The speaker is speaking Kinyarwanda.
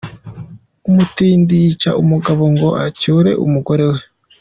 Umutindi yica umugabo ngo acyure umugore we!